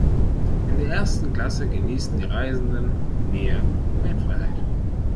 In der ersten Klasse genießen die Reisenden mehr Beinfreiheit.